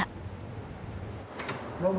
どうも。